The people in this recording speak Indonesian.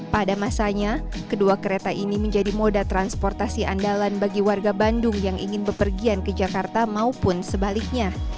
pada masanya kedua kereta ini menjadi moda transportasi andalan bagi warga bandung yang ingin bepergian ke jakarta maupun sebaliknya